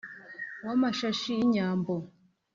w’amashashi y’inyambo